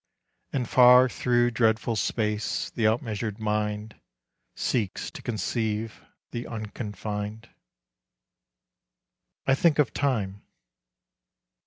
and far Through dreadful space the outmeasured mind Seeks to conceive the unconfined. I think of Time.